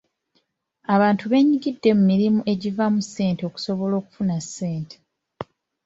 Abantu beenyigidde mu mirimu egivaamu ssente okusobola okufuna ssente.